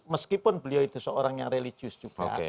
meskipun beliau itu seorang yang religius juga